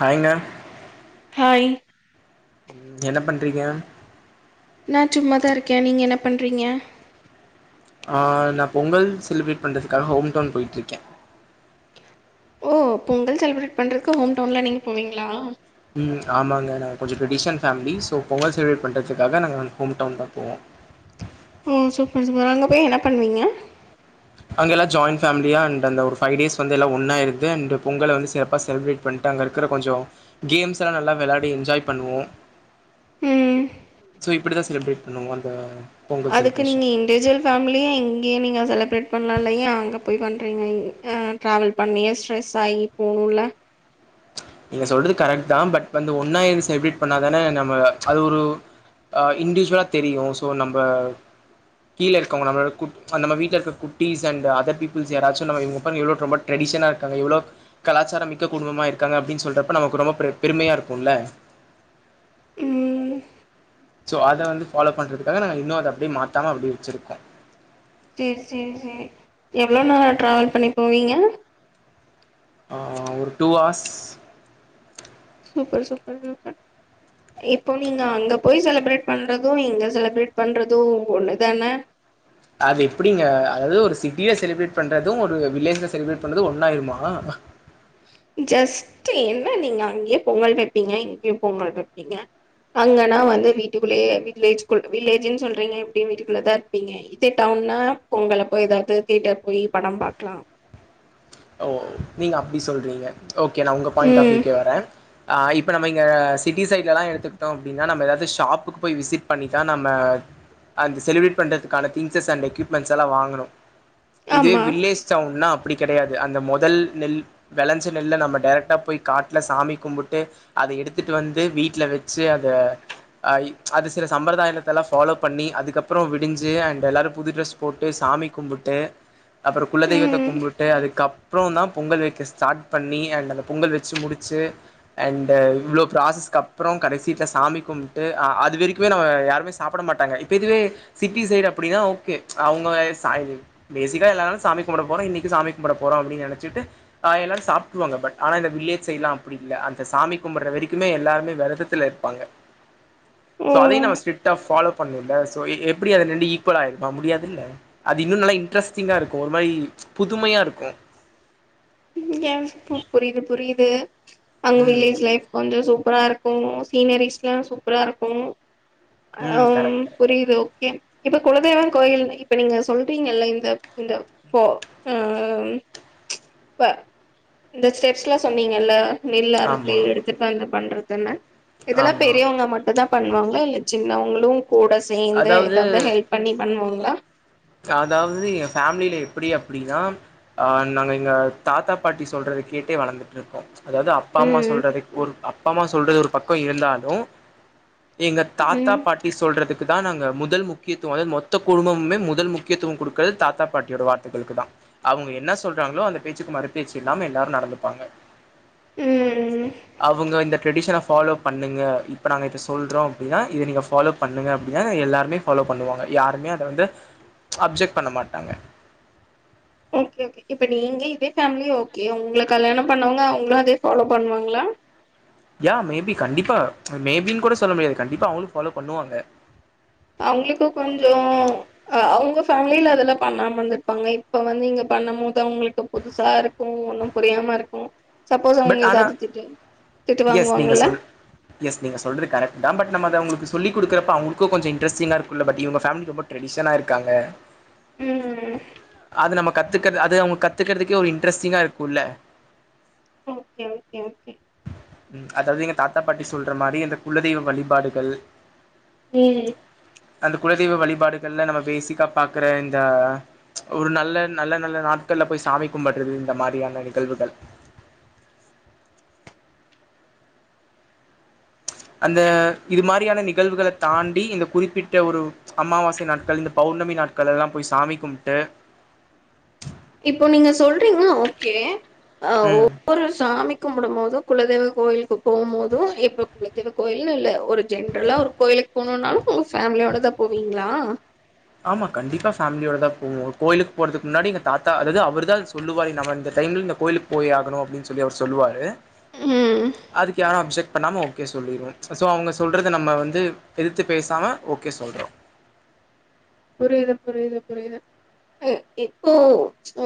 Hi ma'am [unintelligible] ம் என்ன பண்றீங்க நா சும்மாதா இருக்கேன் நீங்க என்ன பண்றீங்க ஆ நா பொங்கல் செலிப்ரேட் பண்றதுக்காக ஹோம் டவுன் போயிட்ருக்கே ஓ பொங்கல் செலிப்ரேட் பண்றக்கு ஹோம் டவுன்லா நீங்க போவீங்களா ம் ஆமாங்க நாங்க கொஞ்ச tradition family so Pongal celebrate பண்றதுக்காக நாங்க அங்க ஹோம் டவுன்தா போவோ ஓ சூப்பர் சூப்பர் அங்க போய் என்ன பண்வீங்க அங்க எல்லா ஜாயின் ஃபேமிலியா அண்ட் அந்த ஒரு ஃபைவ் டேஸ் வந்து எல்லா ஒண்ணா இருந்து அண்ட் பொங்கல வந்து சிறப்பா செலிப்ரேட் பண்ட்டு அங்க இருக்குற கொஞ்சம் கேம்ஸலா நல்லா வெளாடி என்ஜாய் பண்ணுவோ ம். சோ இப்டிதா செலிப்ரேட் பண்ணுவோ அந்த பொங்கல் அதுக்கு நீங்க செலிப்ரேஷன் இண்டிவஜுவல் ஃபேமிலியா இங்கேயே நீங்க செலப்ரேட் பண்லால்ல யா அங்க போய் பண்றீங்க அ ட்ராவல் பண்ணி ஸ்ட்ரெஸ் ஆகி போகணுல்ல நீங்க சொல்றது கரெக்ட்தா பட் வந்து ஒண்ணா இருந்து செலிப்ரேட் பண்ணாதான நம்ம அது ஒரு ஆ இண்டிஜுவளா தெரியு சோ நம்ப கீழ இருக்கவங்க நம்மளவிட குட் நம்ம வீட்ல இருக்க குட்டீஸ் அண்ட் அதர் பீப்புள்ஸ் யாராச்சு நம்ம இவுங்க பாருங்க இவ்ளோ ரொம்ப ட்ரெடிஷனா இருக்காங்க இவ்ளோ கலாச்சார மிக்க குடும்பமா இருக் க்காங்க அப்டின்னு சொல்றப்ப நமக்கு ரொம்ப பெரு-பெருமையா இருக்கும்ல ம். சோ அத வந்து ஃபாலோ பண்றதுக்காக நாங்க இன்னும் அத அப்டியே மாத்தாம அப்டியே வச்சிருக்கோ செரி -செரி-செரி எவ்ளோ நாளா ட்ராவல் பண்ணி போவீங்க ஆ ஒரு two hours super -super- super இப்போ நீங்க அங்க போய் செலிப்ரேட் பண்றதும் இங்க செலிப்ரேட் பண்றதும் ஒண்ணுதான அது எப்டிங்க அதாவது ஒரு சிட்டியில செலிப்ரேட் பண்றதும் ஒரு வில்லேஜ்ல செலிப்ரேட் பண்றதும் ஒண்ணாயிருமா ஜஸ்ட் என்ன நீங்க அங்கயே பொங்கல் வப்பீங்க இங்கயும் பொங்கல் வப்பீங்க அங்கன்னா வந்து வீட்டுக்குள்ளயே வில்லேஜ்குள் வில்லேஜுன்னு சொல்றீங்க எப்டியும் வீட்டுக்குள்ளதா இருப்பீங்க இதே டவுன்னா பொங்கலப்போ ஏதாவது தியேட்டர் போய் படம் பாக்கலா ஓ நீங்க அப்டி சொல்றீங்க ஓகே நா உங்க பாய்ண்ட் ஆஃப் ம் வியூக்கே வரேன் ஆ இப்ப நம்ம இங்க சிட்டி சைட்லலாம் எடுத்துக்கிட்டோ அப்டின்னா நம்ம ஏதாவது ஷாப்புக்கு போய் விசிட் பண்ணிதா நம்ம அந்த செலிப்ரேட் பண்ணறதுக்கான திங்க்ஸஸ் அண்ட் எக்யூப்மெண்ட்ஸ்லா வாங்கணு இதே ஆமா வில்லேஜ் டவுன்னா அப்டி கெடையாத் து அந்த மொதல் நெல் வெளஞ்ச நெல்ல நம்ம டேரைக்டா போய் காட்ல சாமி கும்புட்டு அத எடுத்துட்டு வந்து வீட்ல வச்சு அதை அ அது சில சம்பிரதாயத்தலா ஃபாலோ பண்ணி அதுக்கப்புறம் விடிஞ்சு அண்ட் எல்லாரும் புது ட்ரெஸ் போட்டு சாமி கும்புட்டு அப்பறம் குலதெய்வத்த ம் கும்புட்டு அதுக் அப்றம்தா பொங்கல் வைக்க ஸ்டார்ட் பண்ணி அண்ட் அந்த பொங்கல் வச்சு முடிச்ச அண்டு இவ்ளோ ப்ராசஸ்க்கு அப்பறம் கடைசில சாமி கும்ட்டு அ அதுவரைக்குமே நம்ம யாருமே சாப்ட மாட்டாங்க இப்ப இதுவே சிட்டி சைடு அப்படினா ஓகே அவுங்க சாய் பேசிக்கா எல்லாரும் சாமி கும்புட போறோம் இன்னைக்கும் சாமிக் கும்புட போறோ அப்டின்னு நெனைச்சிட்டு ஆ எல்லாரும் சாப்ட்ருவாங்க பட் ஆனா இந்த வில்லேஜ் சைட்லா அப்டி இல்ல அந்த சாமி கும்புட்ற வரைக்குமே எல்லாருமே வெரதத்துல இருப்பாங்க ஓ சோ அதையு நம்ம ஸ்ட்ரிக்ட்டா ஃபாலோ பண்ணில்ல சோ எப்புடி அது ரெண்டும் ஈக்வலாயிருக்கும் முடியாதுல்ல அது இன்னு நல்ல இன்ட்ரஸ்டிங்கா இருக்கும் ஒரு மாரி புதுமையா இருக்கு க ம் யா பு புரியிது புரியித் [unintelligible] அங்க ம் வில்லேஜ் லைஃப் கொஞ்ச சூப் ப்பராருக்கும் சீனரிஸ்லாம் சூப்பராருக்கும் ம் அம் கரெக்ட் கரெக்ட் புரியுது ஓகே இப்ப குலதெய்வம் கோயில்ல இப்ப நீங்க சொல்றீங்கல்ல இந்த- இந்த போ அம் ப்ப இந்த ஸ்டெப்ஸ்லா சொன்னீங்கல்ல நெல் அறுத்து ஆமா எடுத்துட்டு வந்து பண்றது இதென்ன இதெல்லா ஆமா பெரியவங்க மட்டுந்தா பண்ணுவாங்களா இல்ல சின்னவங்களு கூட சேந்து அதாவது ஏதாவது ஹெல்ப் பண்ணி பண்ணுவாங்க ஆ அதாவது எங்க ஃபேமிலியில எப்டி அப்டினா ஆ நாங்க எங்க தாத்தா பாட்டி சொல்றத கேட்டே வளந்துட்ருக்கோம் அதாவது அப்பா அம்மா ம் சொல்றதுக் ஒரு அ அப்பா அம்மா சொல்றது ஒரு பக்கம் இருந்தாலு எங்க தாத்தா ம் பாட்டி சொல்றதுக் துக்குதா நாங்க முதல் முக்கியத்துவமே அதாவ்து மொத்த குடும்பமே முத் முதல் முக்கியத்துவம் குடுக்கறது தாத்தா பாட்டியோட வார்த்தைகளுக்குதா அவுங்க என்ன சொல்றாங்களோ அந்த பேச்சுக்கு மறு பேச்சு இல்லாம எல்லாரு நடந்துப்பாங்க ம் அவுங்க இந்த ட்ரெடிஷன ஃபாலோ பண்ணுங்க இப்ப நாங்க இத சொல்றோ அப்டின்னா இத நீங்கள்ஃபாலோ பண்ணுங்க அப்டின்னா எல்லாருமே ஃபாலோ பண்ணுவாங்க யாருமே அத வந்து அப்ஜெக்ட் பண்ணமாட்டாங்க ஓகே -ஓகே இப்ப நீங்க இதே ஃபேமிலி ஓகே உங்கள கல்யாணம் பண்ணவங்க அவுங்களு அதே ஃபாலோ பண்ணுவாங்களா யா மேபி கண்டிப்பா மேபின்னு கூட சொல்ல முடியாது கண்டிப்பா அவுங்களும் ஃபாலோ பண்ணுவாங்க அவுங்களுக்கு கொஞ்சோ ஆ அவுங்க ஃபேமிலில அதெல்லா பண்ணாம இருந்திருப்பாங்க இப்ப வந்து இங்க பண்ணும் போது அவுங்களுக்கு புதுசா இருக்கும் ஒண்ணும் புரியாம இருக்கும் பட் ஆனா எஸ் நீங்க வாங்குவாங்கல்ல சொல் -எஸ் நீங்க சொல்றது கரெக்ட்தா பட் நம்ம அத அவுங்களுக்கு சொல்லிக் குடுக்கறப்ப அவுங்களுக்கு கொஞ்ச இனட்ரஸ்டிங்கா இருக்கும்ல பட் இவங்க ஃபேமிலி ரொம்ப ட்ரடிஷனா இருக்காங்க ம் அது நம்ம கத்துக்கற அது அவுங்க கத்துக்கறதுக்கே ஒரு இன்ட்ரெஸ்டிங்காக இருக்குல ஓகே -ஓகே -ஓகே உம் அதாவது எங்க தாத்தா பாட்டி சொல்ற மாரி இந்த குலதெய்வ வழிபாடுகள் ம் அந்த குலதெய்வ வழிபாடுகள்ல நம்ம பேசிக்கா பாக்குற இந்த ஒரு நல்ல-நல்ல-நல்ல நாட்கள்ல போய் சாமி கும்படுறது இந்த மாரியான நிகழ்வுகள் அந்த இது மாரியான நிகழ்வுகளத் தாண்டி இந்த குறிப்பிட்ட ஒரு அமாவாசை நாட்கள் இந்த பௌர்ணமி நாட்கள் எல்லா போய் சாமி கும்ப்ட்டு இப்போ நீங்க சொல்றீங்க ஓகே ஆ ம். ஒவ்வொரு சாமி கும்பிடும்போதும் குலதெய்வ கோயிலுக்கு போம்போதும் எப்ப குலதெய்வ கோயிலினுல்ல ஒரு ஜென்ட்ரலா ஒரு கோயிலுக்கு போனுனாலும் உங்க ஃபேமிலியோடதா போவீங்களா ஆமா கண்டிப்பா ஃபேமிலியோட போவோ கோயிலுக்கு போறதுக்கு முன்னாடி எங்க தாத்தா அதாவது அவருதா சொல்லுவாரு நம்ம இந்த டைம்ல இந்த கோயிலுக்கு போயாகணு அப்டின்னு சொல்லி அவரு சொல்லுவாரு ம் அதுக்கு ஏன் அப்ஜெக்ட் பண்ணாம ஓகே சொல்லிருவே ஸோ அவுங்க சொல்றத நம்ம வந்து எதித்து பேசாம ஓகே சொல்றோ புரியுது-புரியுது-புரியுது அ இப்போ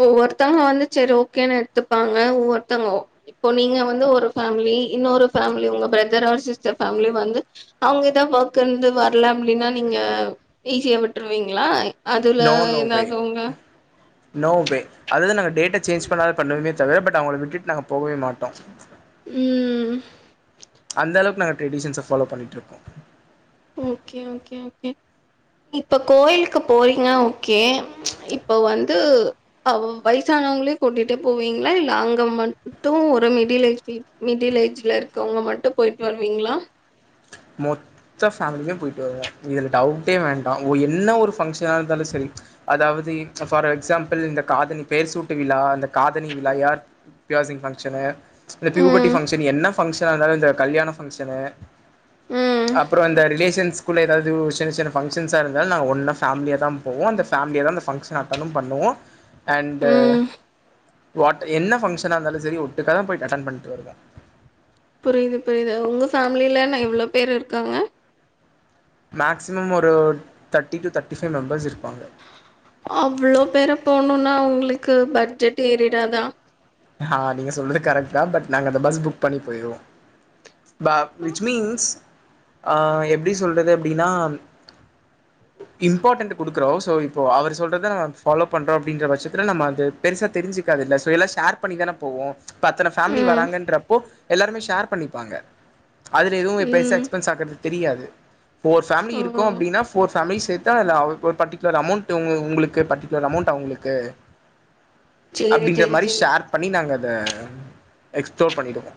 ஒவ்வொருத்தங்க வந்து சரி ஓகேன்னு எடுத்துப்பாங்க ஒவ்வொருத்தங்க இப்போ நீங்க வந்து ஒரு ஃபேமிலி இன்னொரு ஃபேமிலி உங்க பிரதர் ஆர் சிஸ்டர் ஃபேமிலி வந்து அவுங்கதா ஒர்க் இருந்து வரல அப்டின்னா நீங்க ஈஸியா விட் ட்ருவீங்களா அதுல நோ நோ வே இல்லாதவுங்க நோ வே அதாவ்து நாங்க டேட்ட சேஞ்ச் பண்ணாலு பண்ணுவமே தவிர பட் அவங்கள விட்டுட்டு நாங்க போகவே மாட்டோ ம் அந்தளவுக்கு நாங்க ட்ரெடிஷன்ஸ ஃபாலோ பண்ணிட்ருக்கோ ஓகே -ஓகே -ஓகே இப்ப கோயிலுக்கு போறீங்க ஓகே இப்போ வந்து அவ வயசானவங்களையு கூட்டிட்டு போவீங்களா இல்ல அங்க மட்டும் ஒரு மிடில் ஏஜ் பீப் மிடில் ஏஜ்ல இருக்குவங்க மட்டு போயிட்டு வருவீங்ளா மொத்த ஃபேமிலியுமே போய்ட்டு வருவோம் இதுல டவுட்டே வேண்டா ஓ என்ன ஒரு பங்க்ஷனா இருந்தாலும் சரி அதாவது ஃபார் எக்ஸாம்பிள் இந்த காதணி பெயர் சூட்டு விழா இந்த காதணி விழா யார் பியா சிங் ஃபங்ஷன்னு இந்த பியூபர்ட்டி ம் பங்கஷன் என்ன பங்க்ஷ [inaudible] இந்த கல்யாண பங்க்ஷனு ம் அப்புறோ அந்த ரிலேசன்ஸ் குல்ல ஏதாது சின்ன சின்ன ஃபங்க்ஷன்ஸ்சா இருந்தாலும் நா ஒன்னா ஃபேமிலியா தான் போவோம் அந்த ஃபேமிலில தான் அந்த ஃபங்க்ஷன் அட்டணும் பண்ணுவோம் அன்டு ம். வாட் என்ன ஃபங்க்ஷ்னா இருந்தாலு சரி ஒட்டுகாக தான் போயி்ட்டு அட்டன் பண்ட்டு வருவோம் புரிது புரிது உங்க ஃபேமிலிலன இவ்வளோ பேரு இருக்காங்க மேக்சிமம் ஒரு thirty to thirty five members இரு அவ்வளோ பேரூ போணு ஆ உங்களுக்கு பட்ஜெடு ஏறிடாதா ஹறக ப் நா ப புக் பண்ணியீ எப்படி சொல்றது அப்படனா இம்பார்டன்் குடுக்கறோம்ோ இப்போ அவர் சொல்றத பபாலோ பண்றோம் அப்ப பட்சத்து நம பெசா தெரிஞ்சக்காோ எல்லேர் க் பண்ணி தான போவோம் இப்பத்தனை ஃபேமிலி ம், வராங்கன்றப்போ எல்லாருமே ஷேர் பண்ணி வாங்க அதுல எதுவும் பெைசா ம். எக்ஸ்பென்ஸ் ஆக்குறது தெரியாது ஃபோர் ஃபேமிலி ஓ! இருக்கும் அப்டினா ஃபோர் ஃபேமிலி சேத் தேவல்ல [unintelligible] ஒரு பர்டிகுலர் அமௌண்ட்டு உங்களு உங்ளுக்கு பர்டிகுலர் அமௌண்ட் அவங்களுக்கு சரி, அப்டின்ற சரி, மாரி சரி. ஷேர்ப் நாங்க அத எக்ஸ்ப்ளோர் பண்ணிடுவோ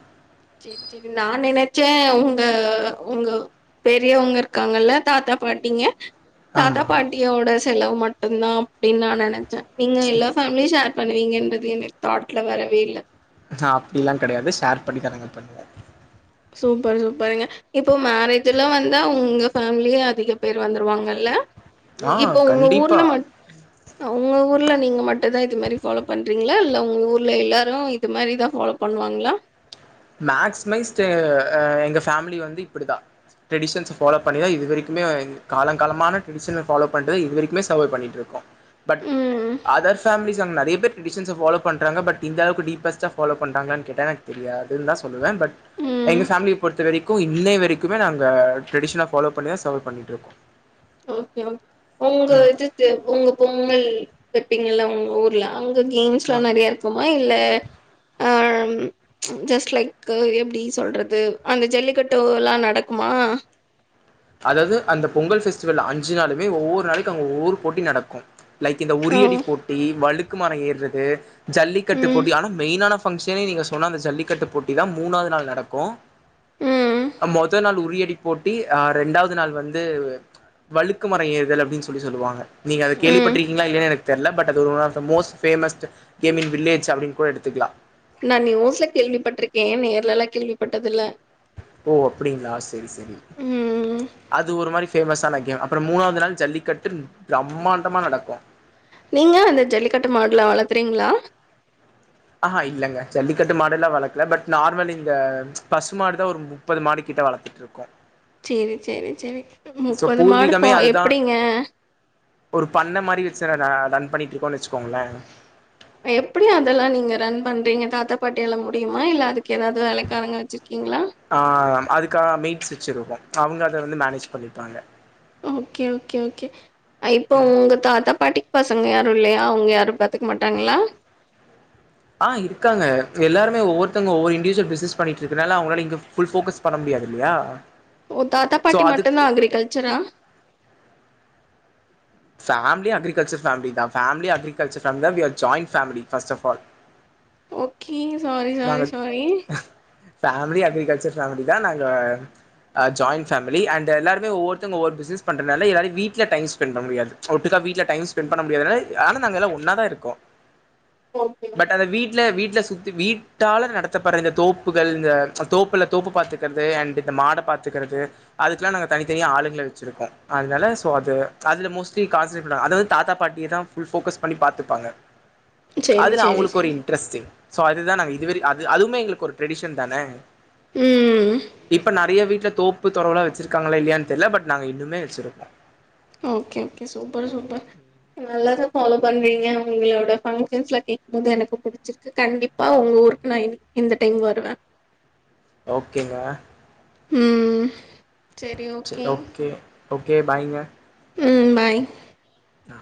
செரி செரி நா நினைச்சே உங்க- உங்க பெரியவங்க இருக்காங்கல்ல தாத்தா பாட்டிங்க தாத்தா ஆமா பாண்டியோட செலவுமட் மட்டும்தான் அப்டின் நான் நென ச நீங்க எல்லா ஃபேமிலியும் ஷேர் பண்ணுவீங்கன் அது எங்க தாட்ல வரவே இல்ல நான் அப்டிலா கடையாது ஷேர் பண்ணி தா நாங்க பண்ணுவோ சூப்பர் சூப்பருங்க இப்போ மேரேஜ்ல்லா வந்தா உங்க ஃபேமிலியே அதிக பேர் வந்துருவாங்கல்ல ஆ இ இப்ப உங்க கண்டிப்பா ஊர்ல மட் உங்க ஊர் ல நீங்க மட்டும் தான் இது மாதி ஃபாலோ பண்றீங்களா இல்ல உங்க ஊர்ல எல்லாரும் இது மாறி தா ஃபாலோ பண்ணுவாங்ளா மேக்சிமைஸ்டு ஹ எங்க ஃபேமிலி வந்து இப்படிதான் ட்ரெடிஷன்ஸ ஃபாலோ பண்ணிதான் இதுவரைக்கு கால காலமான ட்ரெடிஷன ஃபாலோ பண்றத இதுவரைக்குமே சர்வே பண்ணிட்ருக்ககோ பட் ம் அதர்பேமிலிஸ் அண்ட் நறைய பேர் டரெடிஷன்ஸ ஃபாலோ பண்றாங்க பட் இந்த அளவுக்கு டீபெஸ்ட்டா ஃபாலோ பண்றாங்கலானு கேட்டா எனக்கு தெரியாது இருந்தா சொல்லுவன் பட் ம் எங்க ஃபேமிலிய பொறுத்த வரைக் கு இன்னை வரைக்குமே நாங்க டிரேடிஷன ஃபாலோ பண்ணிதா சர்வே பண்ணிட்ருக்கோ ஒகே உங்க ம் [unintelligible] வைப்பீங்கல்ல உங்க ஊர்ல அங்க கேம்ஸ் லா ஆ நிறைய இருக்குமா இல்ல அஹ ம் ஜஸ்ட் லைக்கு எப்டி சொல்றது அங்க ஜல்லிக்கட்டுலாம் நடக்குமா அதாவது அந்த பொங்கல் பெஸ்டிவல் அஞ்சு நாளுமே ஒவ்வொரு நாளைக்கு அங்க ஒவ்வொரு போட்டி நடக்கும் லைக் இந்த ஆ உரியடி போட்டி வலுக் க்குமர ஏறுறது ஜல்லிக்கட்டு ம் போட்டி ஆனா மெயினான பங்கஷனே நீங்க சொன்ன அந்த ஜல்லிக்கட்டு போட்டி தான் மூணாவது நாள் நடக்கும் ம் மொதல் நாள் உறியடி போட்டி ஹா இரண்டாவது நாள் வந்து வழுக்குமரம் ஏறுதல் அப்டின்னு சொல்லி சொல்லுவாங்க நீங்க அத ம் கேள்விப்பற்றிக்கிங்களா இல்லையா எனக் தெர்ல பட் அது one of the most famous gaming village அப்டினு கூட எடுத் த்துக்கலாம் நான் நியூஸ்ல கேள்விப்பட்டிருக்கேன் நேர்ல எல்லா கேள்விப்பட்டதுல்ல ஓ அப்டிங்களா செரி செரி ம் அது ஒரு மாரி பேமஸான கேம் அப்புறம் மூணாவது நாள் ஜல்லிக்கட்டு பிரம்மாண்டமா நடக்கும் நீங்க அந்த ஜல்லிக்கட்டு மாடுலா வளர்த்றீங்களா ஆஹா இல்லங்க ஜல்லிக்கட்டு மாடெல்லாம் வளக்கல பட் நார்மல் இந்த பசு மாடுதான் ஒரு முப்பது மாடு கிட்ட வளர்த்துட்ருக்கோ செரி செரி செரி முப்பது மாடுக்கோ பூர்வீகமே அதுதா எப்டிங்க ஒரு பண்ண மாரி வச்சி ரா-ரன் பண்ணிட்டு இருக்கோம்ன்னு வச்சுக்கோங்களே எப்டி அதெல்லாம் நீங்க ரன் பண்றீங்க தாத்தா பாட்டியால முடியுமா இல்ல அதுக் ஆ அதுக்கா மேட்ஸ் வச்சிருக்கோ அவங்க அத வந்து மேனேஜ் பண்ணிப்பாங்க ஓகே ஓகே ஓகே ஐ இப்போ உங்க தாத்தா பாட்டிக்கு பசங்க ய இல்லையா அவுங்க யாரு பாத்துக்க மாட்டாங்களா ஆ இருக்காங்க எல்லாருமே ஒவ்வொருதங்க ஒவ்வொரு இண்டிஜுவல் பிசினஸ்ண்ணிட்டு இருக்குறதனால அவங்களால இங்க புல் போக்கஸ் பண்ண முடியாது இல்லையா ஓ தாத்தா சோ பாட்டி மட்டுந்தா அதுக்கு அக்ரிகல்ச்சரா பேமிலியே அக்ரிகல்ச்சுரல் பேமிலி தா-பேமிலியே அக்ரிகல்ச்சுரல் பேமிலி தா we are join family first of all okay [unintelligible] sorry sorry sorry family agriculture family தா நாங்க ஜாயின் பேமிலி அண்ட் எல்லாருமே ஒவ்வொருத்தங்க ஒவ்வொரு பிஸ்னஸ் பண்றதுனால எல்லாரும் வீட்ல டைம் ஸ்பெண் பண்ண முடியாது ஒட்டுக்காக வீட்ல டைம் ஸ்பெண் பண்ண முடியாததுனால ஆனா நாங்க எல்லா ஒன்னா தான் இருக்கோ ஓகே. பட் அத வீட்ல-வீட்ல சு வீட் ட்டால நடத்தப்படுற இந்த தோப்புகள் இந்த தோப்புல தோப்பு பார்த்துக்கற்து அண்ட் இந்த மாட பார்த்துக்கிறது அதுக்கெலாம் நாங்க தனித்தனியா ஆளுங்களை வச்சுிருக்கோ அதனால ஸோ அது அதில்ல மோஸ்ட்லி கான்சன்ட்ரேட் பண்றாங்க அத வந்து தாத்தா பாட்டியை தான் ஃபுல் ஃபோக்கஸ் பண்ணி பார்த்துப்பாங்க சேரி, அதுல சேரி, அவங்களுக்கு ஒரு சேரி. இன்ட்ரெஸ்ட்டு சோ அது தா [unintelligible] [unintelligible] அது-அதுமே எங்களுக்கு ஒரு ட்ரெடிஷன் தான ம். இப்ப நறைய வீட்ல தோப்பு தொரவுல வச்சிருக்காங்களா இல்லையான்னு தெரியல பட் நாங்க இன்னுமே வச்சிருக்கோ ஓகே-ஓகே சூப்பர்-சூப்பர் நல்லது ஃபாலோ பண்றீங்க உங்களோட பங்க்ஷன்ஸ்ல கேக்கும்போது எனக்கு புடிச்சிருக்கு கண்டிப்பா உங்க ஊருக்கு நா இந்-இந்த டைம் வருவே ஓகேங்க ம் செரி ஓகே ஓகே பாய்ங்க ம் பாய் நா